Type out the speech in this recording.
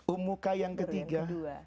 ummukah yang ketiga